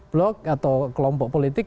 blok atau kelompok politik